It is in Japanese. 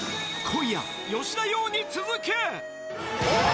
今夜、吉田羊に続け。